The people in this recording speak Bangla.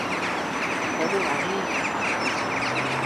তারপর অনেক দিন চলে গেছে।